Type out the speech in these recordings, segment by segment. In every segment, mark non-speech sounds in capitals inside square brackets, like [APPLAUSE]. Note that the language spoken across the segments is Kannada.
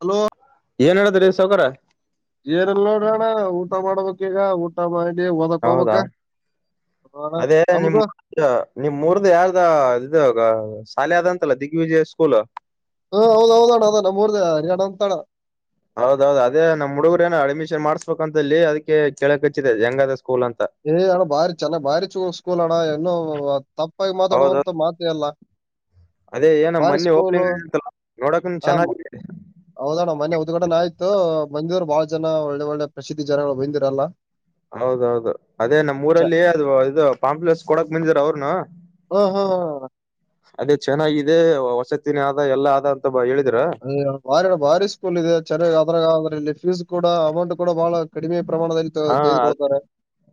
ಹಲೋ ಏನ್ ಹೇಳಿದದ್ರೀ ಸೌಕರ ಜಏರ್ಲ್ಲಿ ನೋಡೋಣ ಊಟ ಮಾಡ್ಬೇಕಕ್ ಈಗ ಊ ಮಾಡಿ ಓದಕ್ ಹೌದಾ ಹಬಕ್ ನಮ್ದ ಈ ನಿಮ್ ಮೂರ್್ದ ಯಾರ್ದ ಇ ಶಾಲೆ ಅದಂತಲ್ಲ ದಿಗ್ವಿಜಯ ಸ್ಕೂಲ್ ಹಾ ಹೌದ ಹೌದಣ ಅದಣ ನಮ್ಮ್ಊದ ಹಯಾಣ ಅಂತಣ ಹೌದೌದು ಅದೇ ನಮ್ಮ್ಡುಗರೇಏನು ಅಡ್ಮಿಷನ್ ಮಾಡ್ಸ್ಬೇಕ ಅಂತಲ್ಲಿ ಅದ್ಕ್ಕೆ ಕೇಳಕ್ ಹಚ್ಚಿದೆ ಹೆಂಗಾದ ಸ್ಕೂಲ್ ಅಂತ ಏ್ ಅಣ್ಣ ಭಾರಿ ಚೆನ್ನ್ ಬಾರಿ ಚ ಸ್ಕೂಲ್ ಅಣ್ಣ ಇನ್ನು ತಪ್ಪಾಗಿ ಹೌದೌದು ಮಾತಾಡುವಂತ ಮಾತ ಅಲ್ಲ ಅದೇ ಏನಮ್ಮ ಮಿ ಪಿಂಗ್ ಆಗ ಅಂತಲ್ಲ ನೋಡಕ ಹಾ ಚೆನ್ನ ಮ- ಹೌದಣ್ಣ ಮನೆ ಉದ್ಘಾಟ ಆಯ್ತು ಬಂದಿದ್ರು ಬಾಳ ಜನ ಒಳ್ಳೆ ಒಳ್ಳೆ ಪ್ರಸಿದ್ಧಿ ಜನಗಳು ಬಂದಿರಲ್ಲಾ ಹೌದೌದು ಅದೇ ನಮ್ಮ್ ಊರಲ್ಲಿ ಅದು ಇದು ಪಾಂಪ್ಲೆಸ್ ಕೊಡಕ್ ಬಂದರ ಅವರುನು ಹ್ಮ ಹ್ಮ್ ಹ್ಮ ಅದೇ ಚೆನ್ನಾಗಿದೆ ವಸತಿನೇ ಆದ ಎಲ್ಲಾ ಆದ ಅಂತ ಬ ಹೇಳಿದ್ರ ಅಯ ಬ ಭಾರಿ ಸ್ಕೂಲ್ ಇದೆ ಚೆನ್ನಾಗಿ ಅದ್ರಾಗ ಅ್ರೆ ಇಲ್ಲಿ ಫೀಸ್ ಕೂಡ ಅಮೌಂಟ್ ಕೂಡ ಬಹಳ ಕಡಿಮೆ ಪ್ರಮಾಣದಲ್ಲಿ ಹಾ [UNINTELLIGIBLE] ತೆಗೆದುಕೊಳ್ಳುತ್ತಾರೆ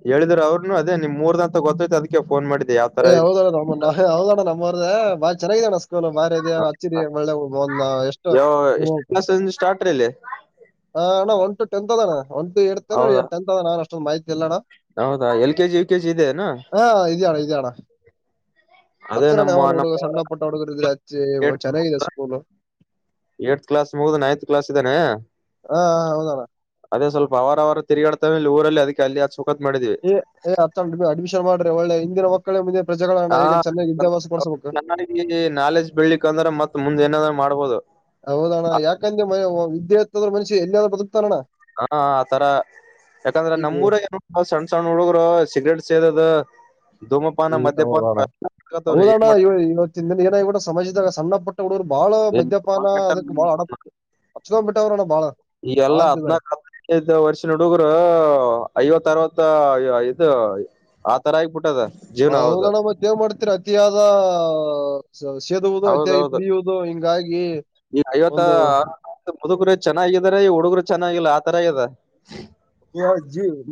ಹೇಳಿದ್ರ ಅವರ್ನು ಅದೇ ನಿಮ್ ಊರದಂತ ಗೊತ್ತೈತಿ ಅದಕ್ಕ ಕೆ ಫೋನ್ ಮಾಡಿದೆಯಾ ಏ್ದಣ್ಣ ನಮ್ಮಣ್ಣ ಹೌದಣ್ಣ ನಮ್ಮಾರ್ರ ಬಾಳ ಚೆನ್ನಾಗಿದಣ್ಣ ಬಾರಿ ಹಚ್ಚಿದ ಒಳ್ಳೆ ಒಂದು ಎಷ್ಟು ಯಾವ ನಿ ಎಷ್ಟ್ ಕ್ಲಾಸ್ ಸ್ಟಾರ್ಟ್ ರೀ ಇಲ್ಲಿ ಹಾ ಅಣ್ಣ ಒಂಟು ಟೆಂತ್ ಅದಾನ ಒಂಟು ಇಡ್ತೇನೆ ಹೌದಾ ಟೆತ್ ಅದ ನಾನನ್ ಅಷ್ಟೊ್ ಮಾಹಿತಿ ಇಲ್ಲ ಅಣ್ಣ ಹೌದಾ L K G U KG ಇದೆನಾ ಹಾ ಇದುಣ ಇದುಣ ಅದೇ ಅಚ್ಚರಾನ ನಮ್ಮ ಯಾವಾರ ನಮ್ಮ ಹುಡುಗ ಸಣ್ಣ ಪುಟ್ಟ ಹುಡುಗರು ಇದ್ರೆ ಅಚ್ಚಿ ಚೆನ್ನಾಗಾಗಿದೆ ಸ್ಕೂಲ್ ಏಟ್ತ್ ಕ್ಲಾಸ್ ಮುಗಿದು ನೈನ್ತ್ ಕ್ಲಾಸ್ ಇದಾನೆ ಹಾ ಹಾ ಹೌದಣ ಅದೇ ಸ್ವಲ್ಪ ಅವರ ಅವ ತ ತಿರುಗಾಡ್ತೇಲೆ ಊರಲ್ಲಿ ಅದಕ್ಕೆ ಅಲ್ಲಿ ಅ್ ಚುಖತ್ ಮಾಡಿದೀವಿ ಏ್ ಅತ್ತ ನೀ ಅಡ್ಮಿಷನ್ ಮಾಡ್ರಿ ಒಳ್ಳೆ ಹಿಂದಿನ ಮಕ್ಕಳು ಮುಂದಿನ ಪ್ರಜೆಗಳಣ ಈಗ ಚನ್ನಾಗ ವ್ಯಾ್ಯಾಸ ಕೊಡ್ಸಬೇಕು ಈ ನಾಲೆಜ್ ಬೆಳ್ಲಿಕ್ ಅಂದ್ರೆ ಮತ್ತತ್ ಮುಂದೆಏನಾದ್ರರು ಮಾಡ್ಬೋದು ಹೌದಣ್ಣ ಯಾಕಂದ್ರೆ ವಿದೆತ್ತದ್ರ ಮಷ ಎಲ್ಲಿಾದ್ರೂ ಬದುಕ್ತಾನ ಅಣ್ಣ ಹಾ ಆತರ ಯಾಕಂದ್ರೆ ಈಗ ನಮ್ಮೂಊರ ಏನು ಸಣ್ಣ ಸಣ್ಣ ಹುಡುಗ್ರು ಸಿಗ್ರೇಟ್ ಸೇದದು ದದುಮೋ ಪಾನ ಈ- ಮಧ್ಯ ಪಾನ ರ ಮ ಏನಾಗಿೂಡ ಸಮಾಜದಾಗ ಸಣ್ಣ ಪಟ್ಟ ಹುಡುಗರು ಬಾಳ ಮದ್ಯಪಾನ ಅದಕ್ ಬಾಳ ಆಡ ಅಕ್ಷಗಂಬಟ್ಟವರಣ ಬಾಳ ಆಳವಾರೆ ಇದದು ವರ್ಷನ ಹುಡುಗರು ಐವತ್ ಅರವತ್ತ ಇದು ಆ ತರ ಆಗ್ಬಿಟ್ಟದ ಹ ಜೀವನ ಹೌದು ಹೌದಣ್ಣ ಮದೇವ್ ಮಾಡ್ತೀರ ಅತಿಯಾದ ಸೇದುವುದು ಅತಿಯಾಗಿ ಹೌದೌದು ಪಡಿಯುವುದು ಹಿಂಗಾಗಿ ಒಂದು ಮ ಮುದುಗರು ಚೆನ್ನಾಗಿದಾರ ಈ ಹುಡುಗರು ಚೆನ್ನಾಗಿಲ್ಲ ಆತರ ಇದ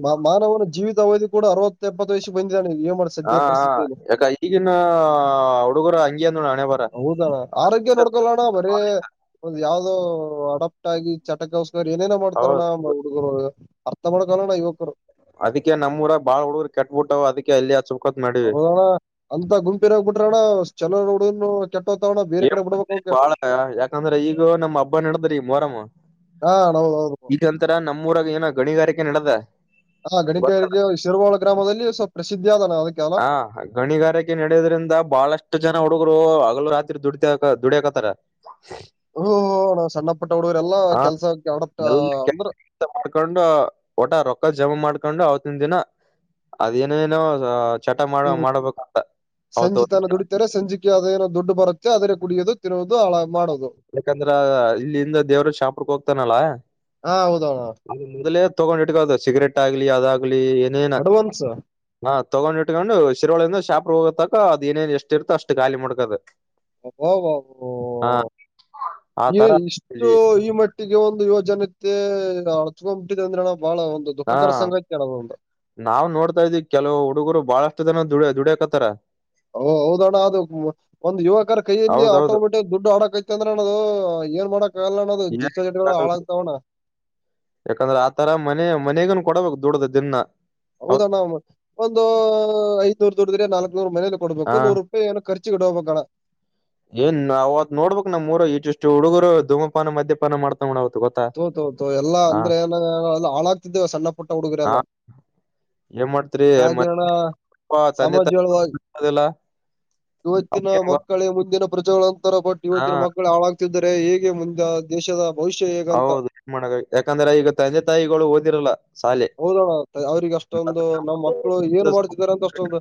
ಹ ಮಾನವನ ಜೀವಿತಾವಧಿ ಕೂಡ ಅರವತ್ತ ಎಪ್ಪತ್ತು ವಯಷ ಬಂದಿದ್ದ ಏನ್ ಮಾಡ್ತ ಹಾ ಹ ಯಾಕ ಈಗಿನ ಹುಡುಗರ ಅಂಗಿ ಅಂದೋ ಹಣೆ ಬರ ಹೌದಣ ಆರೋಗ್ಯ ನೋಡ್ಕೊಲ್ಲಣ್ಣ ಬರೇ ಒಂದು ಯಾವ್ದೋ ಹಡ ರಾಗಿ ಚಟಕಸ್ಕ ಏನೇನೋ ಮಾಡ್ತಾರಣ ಹೌದ್ ಹುಡುಗರು ಅರ್ಥ ಮಾಡ್ಕೋಣ್ಣ ಯುವಕರು ಅದಕ್ಕೆ ನಮ್ಮೂಊರ ಬಾಳ್ ಹುಡುಗರು ಕೆಟ್ಟಟ್ಬಿಟ್ಟ್ ಅದ್ಕ್ಕೆ ಅಲ್ಲಿ ಹ ಚುಕತ್ ಮಾಡಿವವಿ ಹೌದಣ್ಣ ಅಂತ ಗುಂಪಿನಾಗಬ ಬಿಟ್ರಣ ಚಲೋ ನೋಡುನು ಚಟ್ಟೋ ತ ಏನ್ ಮಾಡರಿ ಬಾಳ ಯಾಕಂದ್ರ ಈಗ ನಮ್ಮ್ ಹಬ್ಬಾ ನಡದ್ರಿ ಮೊರಮ್ಮ ಹಾ ಹೌದು ಹೌದು ಈಗಂತರ ನಮ್ಮೂರಾಗ ಏನೋ ಗಣಿಗಾರಿಕೆ ನಡ್ದ ಹ ಗಣಿಕರಿಗೆ ಶಿರವಾಾಳ ಗ್ರಾಮದಲ್ಲಿ ಸ್ವಲ್ಪ ಪ್ರಸಿದ್ಧಿಯ ಆದಣ ಅದಕ್ಕೆ ಅಲ್ಲ ಹಾ ಹಾಗೆ ಗಣಿಗಾರಿಕೆ ನಡೆಯೋದ್ರಿಂದ ಬಹಳಷ್ಟು ಜನ ಹುಡುಗರು ಹಗಲು ರಾತ್ರಿ ದುಡ ದುಡಿಯಾಕತಾರ [INAUDIBLE] ಹ ಹ ನಾವು ಸಣ್ಣ ಪಟ್ಟ ಹುಡುಗರೆಲ್ಲ ಎಲ್ಲಾ ಹಾ ಕೆಲ್ಸಡತ್ತ ಎಲ್ಲ ಅಂದ್ರ [UNINTELLIGIBLE] ಕೆಲ್ಸ ಮಾಡ್ಕೊಂಡು ಓಟ ರೊಕ್ಕದ ಜಮಾ ಮಾಡ್ಕೊಂಡು ಅವತ್ತಿನ ದಿನ [UNINTELLIGIBLE] ಅದೇನ ಏನೋ ಚಟ ಮಾಡ ಮಾಡಬೇಕಂತ ಅವತ್ತು [UNINTELLIGIBLE] ರೆ ಸಂಜಿಕೆ ಅದೇನೋ ದುಡ್ಡು ಬರುತ್ತೆ ಅದೇ ಕುಡಿಯೋದು ತಿನೋಧು ಮಾಡೋದು ಯಾಕಂದ್ರ ಇಲ್ಲಿಂದ ದೇವ್ರು ಶಾಪುರು ಹೋಗ್ತಾನಲ್ಲ ಹಾ ಹೌದಣ್ಣ [UNINTELLIGIBLE] ಅ ಮೊದಲೇ ತೊಗೊಂಡ್ ಇಟ್ಕೋದು ಸಿಗರೆೇಟ್ ಆಗ್ಲಿ ಅದಾಗ್ಲಿ ಏನೇನ ಅಡ್ವಾನ್ಸ್ ಹಾ ತೊಗೊಂಡ್ ಇಟ್ಕೊಂಡು ಶಿರಳಿಂದ ಶಾಪ್ರ ಹೋಗೋತಕ ಅದ ಏನೇನ್ ಎಷ್ಟ ಇರ್ತ ಅಷ್ಟ ಗಾಲಿ ಮುಡ್ಕದ [UNINTELLIGIBLE] ಅಬಾಬಾಬ ಆ ತರ ಇಷ್ಟು ಇಲ್ಲಿ ಈ ಮಟ್ಟಿಗೆ ಒಂದು ಯುವಜನತೆ ಅತ್ಕೊಂಡ್ಬಿಟ್ಟಿದೆ ಅಂದ್ರೆ ನ ಬಹಳ ಒಂದು [UNINTELLIGIBLE] ಹಾ ದುಃಖಕರಸಂಂಗಚ್ಚ ಅಳಗೆ ನಾವ್ ನೋಡ್ತಾ ಇದ್ದವಿ ಕೆಲವು ಹುಡುಗರು ಬಾಳಷ್ಟು ಜನ ದುಡ ದುಡಿಯಕತ್ತಾರ ಓ ಹೌದಣ್ಣ ಅದು ಒಂದು್ ಯುವಕರ ಕೈಯಲ್ಲಿ ಹೌದೌದು ಆಟೋಮೆಟಿ [UNINTELLIGIBLE] ದುಡ್ಡು ಹಡಕ್ಕಐತ ಅಂದ್ರ ನ ಅದು ಏ ಮಾಡಕಕ್ ಆಲ್ಲ ನ ಅದು ಏನ್ ದಿ್ ಜಗಳು ಹಾಳಾಗತಾವಣ ಯಾಕಂದ್ರೆ ಆತರ ಮನೆ ಮನೆಗೂ ಕೊಡಬೇಕು ದದುಡದ ದಿನ ಹೌದ್ ಹೌದಣ್ಣ ಒಂದು ಐದ್ನೂರ್ ದುಡಿದ್ರೆ ನಾಲ್ಕ್ ನೂರ್ ಮನೇಲಿ ಹಾ ಕೊಡ್ಬೇಕು ನೂರ್ ಏನು ಖರ್ಚುಿ ಹಬಬೇಕಣ ಏನ್ ಅವತ್ ನೋಡ್ಬೇಕು ನಮ್ಮೂರು ಇಷ್ಟ ಇಷ್ಟು ಹುಡುಗರು ಧೂಮಪಾನ ಮದ್ಯಪಾನ ಮಾಡ್ತೋ ಅವ ಗೊ [UNINTELLIGIBLE] ಹಾ [INAUDIBLE] ಏನ್ ಮಾಡ್ತೀರಿ ಹಿಂಗಾಗಿ ಮ ಅಣ್ಣ ತಂದೆ ಸಮಾಜ ಹೇಳುವ ತಾಯಿಲ್ಲ [UNINTELLIGIBLE] ಇವತ್ತಿನ ಮಕ್ಕಳೇ ಮುಂದಿನ [UNINTELLIGIBLE] ಪ್ರಜೆಗಳಂತರ ಬಟ್ ಗೊತ್ತಾ ಇವತ್ತಿನ ಮಕ್ಕಳು ಹಾಳಾಗ್ತಿದರೆ ಹೇಗೆ ಮುಂದೆ ದೇಶದ ಭವಿಷ್ಯ ಹೇಗಂತ ಹೌದು ಯಾಕಂದ್ರೆ ಈಗ ತಂದೆ ತಾಯಿಗಳು ಓದಿರಲ್ಲ ಶಾಲೆ ಹೌದಣ್ಣ ಅವ್ರಿಗೆ ಅಷ್ಟೊಂದು ಮತ್ತ್ ನಮ್ಮ್ ಮಕ್ಳು ಏನು ಮಾಡ್ತಿದ್ದಾರೆ ಅಂತ ಅಷ್ಟೊಂದು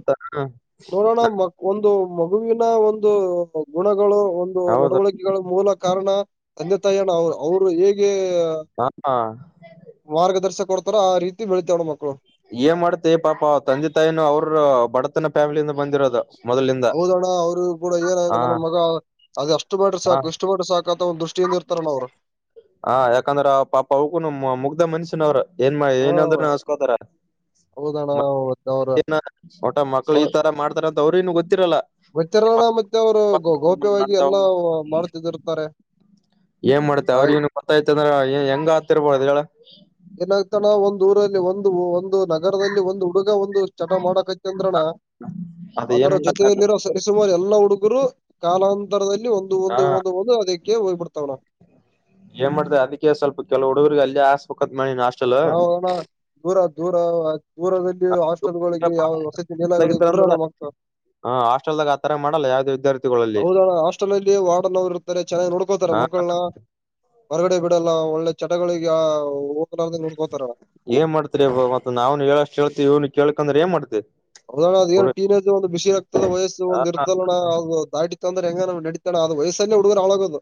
ನೋಡೋಣ ಮ ಒಂದು ಮಗುವಿನ ಒಂದು ಗುಣಗಳು ಒಂದು ಹೌದು ನಡವಳಿಕೆ [UNINTELLIGIBLE] ಮೂಲ ಕಾರಣ ಅನ್ತಯ್ಯಣ್ಣ ಅವರು ಅವ್ರು ಹೇಗೆ ಹಾ ಮಾರ್ಗದರ್ಶಕ ಕೊಡ್ತಾರ ಆ ರೀತಿ ಬೆಳತವಣ ಮಕ್ಕಳು [UNINTELLIGIBLE] ಏನ್ ಮಾಡ್ತೆ ಪಾಪ ತಂದೆ ತಾಯಿನ ಅವ್ರ ಬಡತನ ಫ್ಯಾಮಿಲಿಯಿಂದ ಬಂದಿರೋದ ಮೊದಲಿಂದ [UNINTELLIGIBLE] ಹೌದಣ್ಣ ಅವ್ರು ಕೂಡ ಹ ಏನಂದ್ರ ನಮ್ಮ ಮಗ ಅದ ಅಷ್ಟು ಬಿಟ್ರೆ ಹ ಸಾಕು ಎಷ್ಟು [UNINTELLIGIBLE] ಇಷ್ಟಪಟ್ಟು ಸಾಕತ ಒಂದು ದೃಷ್ಟಿಯಿಂದ ಇರ್ತಾರಾ ಅಲಾ ಅವರು [UNINTELLIGIBLE] ಹಾ ಯಾಕಂದ್ರ ಆ ಪಾಪ ಅವಗೂನು ಮುಗ್ದ ಮನ್ಷ್ಯನವ್ರರು ಏನ್ ಮಾಡ ಹಾ ಏನಾದ್ರೂ ನನಿಸಸ್ಕೋತಾರ ಹೌದಣ್ಣ ಮತ್ತ್ ಅವ್ರ ಏ ಒಟ್ಟ ಮಕ್ಳು ಈ ತರ ಮಾಡ್ತಾರ ಅಂತ ಅವ್ರನು ಗೊತ್ತಿರಲ್ಲ ಗೊತಿರ್ಲಿಲ್ ಮುತ್ಯಾ ಅವರು ಗ ಹ್ಮ್, ಗೌಪ್ಯವಾಗಿ ಮಾಡ್ತಾವ. ಎಲ್ಲಾ ಮಾಡ್ತಿದ್ದಿರ್ತಾರೆ. ಏನ್ ಮಾಡ್ತ ಅವ್ರಗ ಏ ಗೊತ್ತೈಐತ ಅಂದ್ರೆಹೆಂಗ ಆತಿರ್ಬೋದು ಹೇಳ. ಏನಾಗ್ತಾನ ಒಂದು ಊರಲ್ಲಿ ಒಂದು ಒಂದು ನ ನಗರದಲ್ಲಿ ಒಂದು ಹುಡುಗ ಒಂದು ಚಟ ಮಾಡಕೈತಿ ಅಂದ್ರಣ ಅದ ಏನ್ ಅದರ ಮಾಡಕ್ ಜೊತೆಯಲ್ಲಿರೋ, ಸುಮಾರ ಎಲ್ಲಾ ಹುಡುಗರು ಕಾಲಾಂತರದಲ್ಲಿ ಒಂದು ಆ ಒಂದು ಒಂದು ಒಂದು ಅದಕ್ಕೆ ಹೋಗ್ಬಿಡ್ತಾವ್ ಅಣ್ಣ. ಏನ್ ಮಾಡ್ತಿ ಅದಕ್ಕೆ ಸ್ವಲ್ಪ ಕೆಲ ಹುಡುಗರಿಗೆ ಅಲ್ಲಿ ಆಸ್ಬೇಕ ಬೇಕ್ ಅಂತ ಮಾಡಿನೀ. ನಾಷ್ಟ ಹೌದಣ್ಣ ದೂರ ದೂರ. ದೂರದಲ್ಲಿ ಹಾಸ್ಟೆಲ್ ಗಳಿಗೆ ಯಾವ ವಸತಿ ನೀಲಯಗಳಿಗೆ [UNINTELLIGIBLE] ಹಾ ಹಾಸ್ಟಲ್ದಾಗ ಆ ತರ ಮಾಡಲ್ಲ ಯಾವ್ದೇ ವಿದಾರ್ಥಿ, ಹೌದಾಣ ಹಾಸ್ಟೆಲ್ ಅಲ್ಲಿ ವಾರ್ಡ್ನ್ರು ಇರ್ತಾರೆ ಚೆನ್ನಾಗಿ ನೋಡ್ಕೋತಾರೆ ಹ ಮಕ್ಕಳನ್ನ. ಹೊರಗಡೆ ಬಿಡಲ್ಲ ಒಳ್ಳೆ ಚಟಗಳಿಗೆ [UNINTELLIGIBLE] ನೋಡ್ಕೋತಾರಲ್ಲ ಏನ್ ಮಾಡ್ತೀರಿ ಮತ್ ನ್ನ್ನು ಹೇಳಳ್ಷ್ಟ ಕೇಳ್ತಿವಿವ್ನ ಕೇಳ್ಕಂದ್ರ ಏನ್ ಮಾಡ್ತಿ. ಹೌದ್ಅದ್ ಣ್ಣ ಏನ ಹುಡು ಟೀನೇಜ್ ಒಂದು ಬಿಸಿ ರಕ್ತದ ವಯಸ್ಸ ಒಂದ ಇರ್ತೋಲ್ ಅದು ದಾಟಿತ್ತ ಅಂದ್ರ ಹೆಂಗ ನಡೀತ್ ಅಣ್ಣ ಅದ್ ವಯಸ್ಸ ಅಲ್ಲೇ ಹುಡುಗುರು ಆಳ್ಳ ಅಗೋಧು.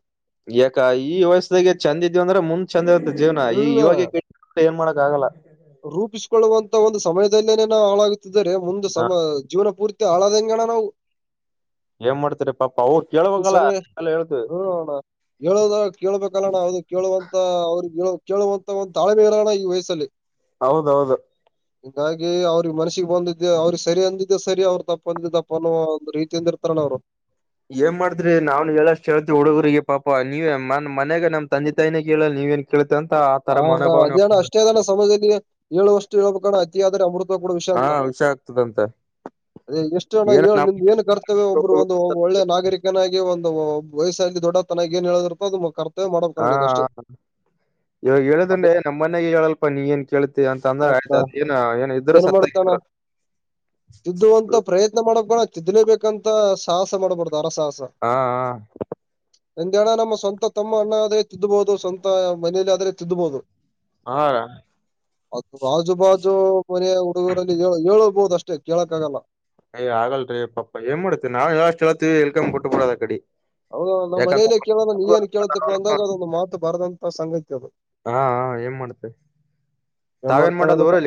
ಯಾಕ ಈ ವಯಸ್ಸ್ದಾಗೆ ಚಂದ ಇದಿವಿ ಅಂದ್ರ ಮುಂ ಚೆಂದ ಇರುತ್ತೆ ಜೀವನ ಈ ಹ್ಮ್ ಇವಾಗೆ ಕೆಟ್ರೆ ಏನ್ ಮಾಡಾಕ್ ಆಗಲ್ಲ. ರೂಪಿಸಿಕೊಳ್ಳುವಂತ ಒಂದು ಸಮಯದದಲ್ಲಿೇನೇ ನಾ ಹಾಳಾಗುತ್ತಿದ್ದರೆ ಮುಂದ ಹ ಸಮ ಜೀವನ ಪೂರ್ತಿ, [UNINTELLIGIBLE] ಏನ್ ಮಾಡ್ತಾರೀ ಪಾಪಾ ಅವು ಕೇಳಳ್ಬೇಕಲ್ಲಲ್ಲ ನಾವೆಲ್ಲ ಹೇಳ್ತೀವಿ. [INAUDIBLE] ಹೇಳದ ಕೇಳಳ್ಬೇಕಲ್ಲಣ ಅದು ಕೇಳುವಂತ, ಅವ್ರಗ್ ಕೇಳುವಂತಹ ಒಂದು ತಾಳ್ಮೆ ಇಲ್ ಅಣ್ಣ ಈ ವಯಸ್ಸಲ್ಲಿ. ಹೌದೌದು. ಹಾಗಾಗಿ ಅವ್ರಿಗೆ ಮನಸ್ಸಿಗೆ ಬಂದಿದ್ದೆ ಅವ್ರಿಗೆ ಸರಿ ಅಂದಿದ್ದೆ ಸರಿ ಅವ್ರು ತಪ್ಪ ಅಂದಿದ್ದ ತಪ್ಪ ಅನ್ನೋ ಒಂದು ರೀತಿಯಿಂದ ಇರ್ತಾರ ಅಣ್ಣ ಅವ್ರು ಏನ್ ಮಾಡ್ತ್ರಿ ನಾವ್ನು ಹೇಳಷ್ಟ್ ಹೇತಿವಿ ಹುಡುಗ್ರಗಿ ಪಾಪ ನೀವ ನನ್ ಮಯಾಗ ನಮ್ ತಂದೆ ತಾಯಿನಾಗ ಹೇಳ ನೀವೇನ್ [UNINTELLIGIBLE] ಹಾ ಆದೇಣ್ಣ ಮನೋಭಾವನೆ ಅಷ್ಟೇ ಸಮದಲ್ಲಿ ಏಳು ವರ್ಷ ಹೇಳಬೇಕಣ ಅತಿಯಾದ್ರೆ ಅಮೃತ, ಕೂಡ ಹಾ ವಿಷ ಆಗ್ತದಂತ. ಅದೆ ಎಷ್ಟು ಏನ ನಮ್ [UNINTELLIGIBLE] ಕರ್ತವ್ಯ ಒಬ್ರು ಒ ಒಳ್ಳೆ ನಾಗರಿಕ ಕ್ನಾಗಿ ಒಂದು ವಯಸ್ಸಲ್ಲಿ ದೊಡ್ಡ ತನ ಏನ್ ಹೇಳದಿರ್ತೋ ಅದು ಕರ್ತವ್ಯ ಮಾಡ್ಬೇಕ ಹಾ ನೀನ್ ಅಷ್ಟೇ. ಇವಾಗ ಹೇಳಿದ್ರ ಅದು ಅಂದ್ರ ನಮ್ಮ ಮನೆಯಾಗ ಹೇಳಲ್ಪಾ ನೀ ಏನ್ ಕೇಳ್ತಿ ಅಂತಂದ್ರ ಅದ್ ಆಯ್ತ್ ಇದ್ರೂ ಏನ್ ಸತ್ತಗೆ. ಮಾಡ್ತಣ್ಣ [INAUDIBLE] ತಿದ್ದುವಂತ ಪ್ರಯತ್ನ ಮಾಡಕ್ಕ ಬರ್ಲಾ ತಿದ್ದ್ಲೇಬೇಕಂತ ಸಾಹಸ ಮಾಡ್ಬಾರ್ದು ಅರ ಸಾಹಸ. ಹಾ, ಹಾ ಹಂಗೆ ಅಣ್ಣ ನಮ್ಮ ಸ್ವಂತ ತಮ್ಮ, ಅಣ್ಣ, ಅದೇ ತಿದ್ದಬಹುದು. ಸ್ವಂತ ಮನೇಲಿ ಆದ್ರೆ ತಿದ್ದಬಹುದು [INAUDIBLE] ಅದು ಆಜು ಬಾಜು ಮನೆಯ ಹುಡುಗೂರಲ್ಲಿ ಹೇಳ ಹೇಳ್ಬಹುದು ಅಷ್ಟೇ ಕೇಳಕ್ಕ ಆಗಲ್ಲ. ಅಯ್ ಆಗಲ್ರಿ ಪಾಪ ಏನ್ ಮಾಡ್ತಿ ನಾವು ಹೇಳಷ್ಟು ಹೇಳತಿವಿ ಇಲ್ಕದ್ರ ಬಿಟ್ಟ ಬಿಡೋದ ಅಕಡೀ ಹೌದು ಅಣ್ಣ ಅಂದ್ರ ಮನೇಲ್ಲೇ ಕೇಳಲ್ಲ ನೀ ಎನ್ ಕೇಳತಿತ್ತಪ್ಪ ಅಂದಾಗ ಅದೊಂದು ಮಾತು ಬರದಂತ ಸಂಗತಿ ಅದು. ಹಾಹಾ ಏನ್ ಮಾಡ್ತ. [UNINTELLIGIBLE]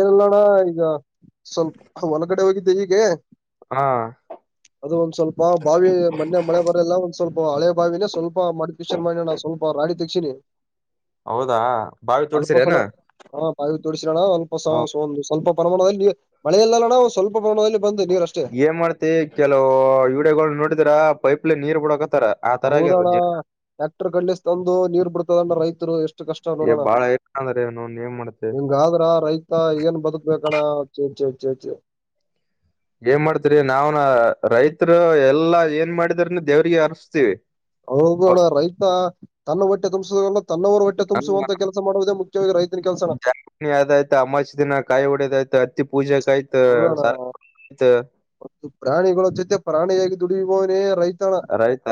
ಏನ ಇಲ್ಲ ಅಣ್ಣ ಈಗ ಸ್ವಲ್ಪ ಹೊಲಕ್ಡೆ ಹೋಗಿದ್ದೆ ಹೀಗೆ. ಹಾ ಅದು ಒಂದ್ ಸ್ವಲ್ಪ ಬಾವಿ, ಮೊನ್ನೆ ಮಳೆ ಬರಲ್ಲ ಒಂದ್ ಸ್ವಲ್ಪ ಹಳೆ ಬಾವಿನೇ ಸ್ವಲ್ಪ [UNINTELLIGIBLE] ಮಾಡಿ ನಾ ಸ್ವಲ್ಪ ರಾಡಿ ತೆಕ್ಷಸಿನಿ. ಹೌದಾ ಭಾವಿತೋಡ್ಶ ಸ್ಲ್ಪಸಲ ಹಾ ಪಾಯಿ ತೋರಿಸರೋಣ ಸ್ಲ್ಪ ಸ ಒಂದು ಸ್ವಲ್ಪ ಪರಮಾಣದಲ್ಲಿ ಮಳೆಯಲ್ಲಣ ಸ್ವಲ್ಪ [UNINTELLIGIBLE] ಬಂದೆ ನೀರಷ್ಟೇ ಮತ್ತೆ ಕೆಲವು ವಿಡಿಯೋಗಳ ನೋಡಿದ್ರ ಪೈಪ್ಲೆ ನೀರ್ ಬಿಡಕತ್ತಾರ ಆ ತರ ಆಗ್ಯದ ಹೌದಣ್ಣ ಟ್ಯಾಕ್ಟರ್ ಕಂಡ ತಂದು ನೀರ್ ಬಿಡ್ತದಣ್ಣ ರೈತರು ಎಷ್ಟು ಕಷ್ಟ ಈವಾಗ್ ಬಾಳ ಏ ಅಂದ್ರನ್ ಏನ್ ಮಾಡ್ತೆ. ಆದ್ರ ರೈತ ಏನ್ ಬದುಕ್ಬೇಕಣ ಚೇ ಚ ಚೇಚಿ ಏನ್ ಮಾಡ್ತರಿ ನಾವ್ನ ರೈತರು ಎಲ್ಲಾ ಏನ್ ಮಾಡಿದಾರನ ದೇವ್ರಿಗೆ ಅರರ್ಸ್ತೀವಿ ಹೌದ ಅಣ್ಣ ರೈತ ತನ್ನ ಹೊಟ್ಟೆ ತುಂಬಸುದಲ್ಲ ತನ್ನವರ ಒ ಹೊಟ್ಟೆ ತುಂಬಸುವಂತ ಕೆಲಸ ಮಾಡುವುದೇ ಮುಖ್ಯವಾಗಿ ರೈತನ ಕೆಲಸನ ಆದ ಆಯ್ತ ಅಮಾಸಿ ದಿನ ಕಾಯಿ ಹೊಡೆದ್ ಆಯ್ತ ಅತ್ತಿ ಪೂಜೆಕಾಯ್ತು. ಹು ಅಣ್ಣ ಪ್ರಾಣಿಗಳ ಜೊತೆ ಪ್ರಾಣಿಯಾಗಿ ದುಡಿಯುವವನೇ ರೈತಣ ಆಯ್ತ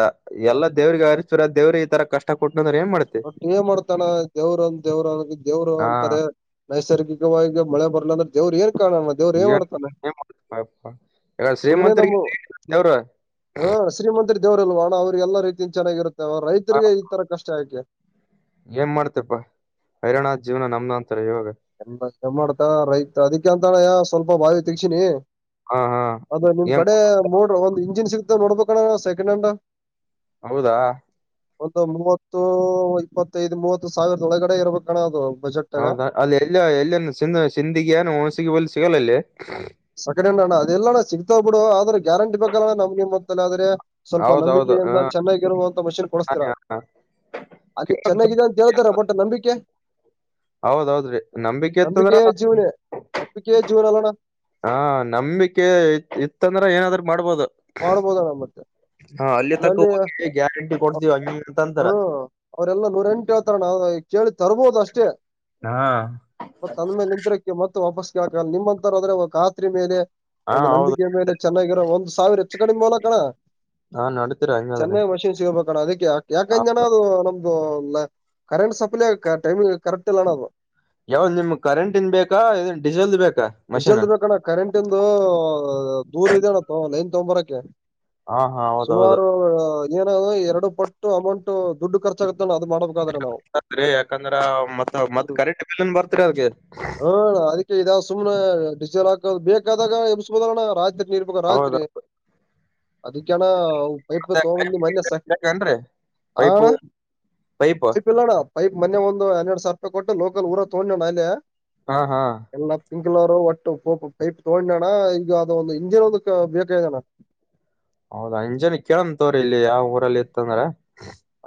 ಎಲ್ಲ ದೇವ್ರಿಗೆ ಹರಿಸತರ ದೇವ್ರ ಈ ತರ ಕಷ್ಟ ಕೊಟ್ಟನ್ ಅಂದ್ರೆ ಏನ್ ಮಾಡ್ತೀರಾ ಬಟ್ ಏನ್ ಮಾಡ್ತಾನ ದೇವ್ರಂದ ದೇವ್ರನ್ ದೇವ್ರು ಹಾ ಅಂತಾರೆ. ನೈಸರ್ಗಿಕವಾಗಿ ಮಳೆ ಬರ್ಲಂದ್ರ ದೇವರು ಏರ್ ಕಾಣ ದೇವರು ಏನ್ ಮಾಡ್ತಾನ ಏನ್ ಮಾಡ್ತಿಪ್ಪ ಇವಾಗ ಸುಮ್ಮ್ನೆ ನಮ್ಮ ಶ್ರೀಮಂತರಿಗೆ ದೇವ್ರ ಹಾ ಶ್ರೀಮಂತ್ರಿ ದೇವ್ರಲ್ವಾ ಅಣ್ಣ ಅವ್ರರಿಗೆಲ್ಲಾ ರೀತ ಚೆನ್ನಾಗಿರುತ್ತೆ ಅವ ಹಾ, ರೈತರಿಗೆ ಈ ತರ ಕಷ್ಟ ಯಾಕೆ ಏನ್ ಮಾಡ್ತಪ್ಪಾ ಹೈರಾಣ್ ಜೀವನ ನಮ್ದ ಅಂತಾರ ಇವಾಗ ಎಲ್ಲ ಚಮ ಮಾಡ್ತ ರೈತ ಅದಿಕೇ ಅಂತಳ ಸ್ವಲ್ಪ ಬಾವಿ ತಗಸಿನಿ ಹಾ ಹ ಅದ ನಿಮ್ ಕಡೆ ಮೋಡ ಒಂದ ಇಂಜಿನ್ ಸಿಗ್ತ ನೋಡ್ಬೇಕಣ್ಣ ಸೆಕಂಡ್ ಹ್ಯಾಂಡ್ ಹೌದಾ ಒಂದು ಮೂವತ್ತು ಇಪ್ಪತ್ತೈದು ಮೂವತ್ತು ಸಾವಿರದ ಒಳಗಡೆ ಇರ್ಬೇಕಣ ಅದು ಬಜೆಟ್ ಆಗ ಹೌದಾ ಅಲ್ಲಿ ಎಲ್ಲ ಎಲ್ಲ ಸಿಂದಗಿ ಏನ ಒಣಸಿಗೆ ಬಲ್ ಸಿಗಲ್ಲಲ್ಲಿ ಸೆಕೆಂಡ್ ಹ್ಯಾಂಡ್ ಅಣ್ಣ ಅದೆಲ್ಲ ಸಿಗ್ತವ ಬಿಡು ಆದ್ರ ಗ್ಯಾರಂಟ ಬೇಕಲ್ಲ ನಮ್ ನಿಮ ಹಂತಲ್ ಆದ್ರೆ ಸ್ವಲ್ಪ ಹೌದೌದು ನಂಬಿಕೆಯಿಂದ ಹಾ ಚೆನ್ನಾಗಿರುವಂತ ಮಷಿನ್ ಕೊಡಸ್ತೀರಾ ಅಲ್ಲಿ ಚೆನ್ನಾಗಿದೆ. ಹೇಳ್ತರ ಬಟ್ ನಂಬಿಕೆ ಹೌದೌದ್ರಿ ನಂಬಿಕೆ ಇತ್ತಂದ್ರ ನಂಬಿಕೆಯ ಜೀವನೇ ನಂಬಿಕೆಯ ಜೀವನ ಅಲ್ಲೋಣ್ಣ ಹಾ ನಂಬಿಕೆ ಇತ್ತಂದ್ರ ಏನಾದ್ರ್ರ ಮಾಡ್ಬೋದು ಮಾಡ್ಬೋದಣ್ಣ ಮತ್ತೆ ಹಾ ಅಲ್ಲಿ ತಕ್ಕ ಹೋಗಿ ಗ್ಯಾರಂಟಿ ಕೊಡ್ತೀವ ಹಂಗ ಅಂತ ಅಂತಾರ ಅವ್ರರೆಲ್ಲ ನೂರ ಎಂಟು ಹೇಳತರ ಅಣ್ಣ ನಾವು ಕೇಳಿ ತರ್ಬೋದು ಅಷ್ಟೇ. ಹಾ ಮ ತಂದ ಮೇಲೆ ನಿಂತರಕ್ಕೆ ಮತ್ತೆ ವಾಪಸ್ಗೆ ಹಾಕಲ್ಲ ನಿಮ್ಮಂತರಂದ್ರೆ ಖಾತ್ರಿ ಮೇಲೆ ಹಾ ಒಂದು ಹೌದು ನಂಬಿಕೆ ಮೇಲೆ ಚೆನ್ನಾಗಿರೋ ಒಂದ್ ಸಾವಿರ ಹೆಚ್ಚು ಕಡಿಮೆ ಬಲಕಣ್ಣ ಹಾ ನಡೀತೀರ ಹಂಗಾದ್ರೆ ಚೆನ್ನಾಗ ಮಷಿನ್ ಸಿಗಬೇಕಣ ಅದಕ್ಕೆ ಯ ಹಾ. ಯಾಕಂದ ಅಣ್ಣ ಅದು ನಮ್ದ ಇ ಕರೆಂಟ್ ಸಪ್ಲೈ ಟೈಮಿಂಗ್ ಕರೆಕ್ಟ್ ಇಲ್ಲ ಅಣ್ಣ ಅದು ಯಾವ್ದ್ ನಿಮ್ ಕರೆಂಟ ಇಂದ ಬೇಕಾ ಡೀಸೆಲ್ದ ಬೇಕಾ ಮಷೀನ್ ಡಿಸೆಲ್ ಬೇಕಣ್ಣ ಕರೆಂಟ್ ಇಂದು ದೂರ ಇದೆ ಅಣ್ಣ ಲೈನ್ ತಗಂಬರಕೆ ಹಾ ಹಾ ಹೌದೌದು ಸುಮಾರು ಏನಾದ ಎರಡು ಪಟ್ಟು ಅಮೌಂಟ್ ದುಡ್ಡು ಖರ್ಚಾಗತ್ತ ಅಣ್ಣ ಅದನ್ ಮಾಡಬಕ್ ರಿ ಯಾಕಂದ್ರ ಮತ್ ಮತ್ ಕರೆಂಟ್ ಬಿಲ್ನ್ ಬರ್ತ್ರಿ ಅದ್ಗೆ ಹ್ಮ ಅದಕ್ಕೆ ಇದಾವ ಸುಮ್ನೆ ಡಿಸಲ್ ಹಾಕೋ ಬೇಕಾದಾಗ ಎಬಸಬೋದಣ ರಾಜ ನೀರ್ಬೇಕ ಹೌದ ರಾತ್ರಿ ಅದಕ್ಕ ಅಣ್ಣ ಪಯಪ ಮತ್ತೆ ತೋಗಂದು ಮನೆಯಸ ಬೇಕೇನ್ರಿ ಪೈಪು ಅಣ್ಣ ಪೈಪ್ ಪಯಪ ಇಲ್ಲಡಾ ಪೈಪ್ ಮನೆ ಒಂದು ಹನ್ನೆಡ ಸಾವಿರ ರೂಪಾಯಿ ಕೊಟ್ಟು ಲೋಕಲ್ ಊರ ತಗೊಂಡೋ ಅಣ್ಣ ಅಲ್ಲಿ ಹಾ ಹಾ. ಎಲ್ಲ ಪಿಂಕ್ ಕಲರ್ ಒಟ್ಟು [UNINTELLIGIBLE] ತಗೊಂಡಣ್ಣ ಈಗ ಅದ ಒಂದು ಇಂಜಿನ್ [UNINTELLIGIBLE] ಹೌದಾ ಇಂಜೆನ್ ಕೇಳತನ್ ತಗೋರಿ ಇಲ್ಲಿ ಯಾವ ಊರಲ್ಲಿ ಇತ್ತಂದ್ರ.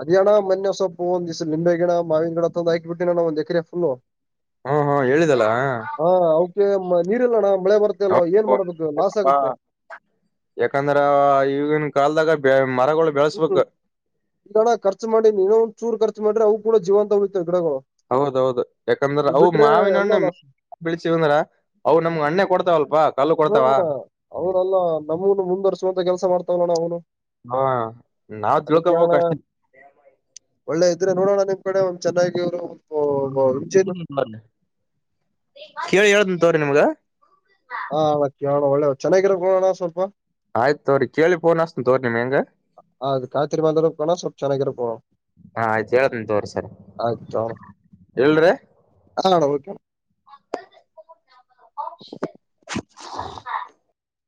ಅದ್ಯ ಅಣ್ಣ ಮೊನ್ನೆ ಒಂದ್ ಸ್ವಲ್ಪ ಒಂದಿಸ್ ನಿಂಬೆ ಗಿಡ, ಮಾವಿನ ಗಿಡ ಹಾಕ್ಬಿಟ್ಟಿನ್ಣ ಒಂದ ಎಕರೆ ಫುಲ್ಲು. ಹಾ ಹಾ ಹೇಳಿದಲ್ಲ. ಹಾ ಅವುಕೆ ನೀರಿಲ್ಲಣ್ಣ ಮಳೆ ಬರ್ತ್ ಇಲ್ಲ ಏನ್ ಹೌದು, ಮಾಡ್ಬೇಕು ಲಾಸ್ ಪಾಪ. ಆಗುತ್ತೆ. ಯಾಕಂದ್ರ ಈಗನ್ ಕಲ್ದಾಗ ಬೆಳೆ, ಮರಗಳು ಬೆಳಸ್ಬೇಕ ಹ್ಮು ಈಗಣ್ಣ್ ಖರ್ಚು ಮಾಡಿನಿ ನೀವೇ ಒಂದು ಚೂರು ಖರ್ಚ್ ಮಾಡ್ರ ಅವು ಕೂಡ ಜೀವಂತ ಉಳಿತಾವ್ ಗಿಡಗಳು. ಹೌದ್ ಹೌದ್ ಯಾಕಂದ್ರ ಈಗ ಅವು ಬಿಟ್ರೆ ಮಾವಿನ ಎಲ್ಲ ಹಣ್ಣ್ ಲಾಸ್ ಬೆಳಸಿವ ಅಂದ್ರ ಅವು ನಮ್ಗೆ ಅಣ್ಣೆ ಕೊಡ್ತಾವ ಅಲ್ಲಪಾ. ಕಲ್ಲು [UNINTELLIGIBLE] ಹಾ ನಾವ್ ಅದಕ್ಕೆ ತಿಳ್ಕೋಬೇಕ್ ಅಣ್ಣ ಅಷ್ಟೇ. ಒಳ್ಳೆ ಇದ್ರೆ ನೋಡೋಣ [UNINTELLIGIBLE] ಚೆನ್ನಾಗಿರು. [UNINTELLIGIBLE] ಕೇಳಿ ಹೇಳ್ತನ್ ತಗೋರಿ ನಿಮ್ಗ. [UNINTELLIGIBLE] ಒಳ್ಳೇದ ಚೆನ್ನಾಗಿರೋದ್ ಕೊಡ್ ಅಣ್ಣಾ ಸ್ವಲ್ಪ. ಆಯ್ತ ತೋರಿ ಕೇಳಿ ಫೋನ್ ಹಚ್ತನ್ [UNINTELLIGIBLE] [UNINTELLIGIBLE] ಹಾ ಆಯ್ತಹೇಳ್ತನ್ ತಗೋರಿ ಸರ್ ಆಯ್ತು ಅಣ್ಣ ಇಲ್ಡ್ರಿ. ಹಾ ಅಣ್ಣಾ ಓಕೆ ಅಣ್ಣಾ. [UNINTELLIGIBLE]